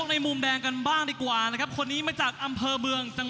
วันนี้ดังนั้นก็จะเป็นรายการมวยไทยสามยกที่มีความสนุกความมันความเดือดนะครับ